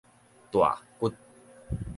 大掘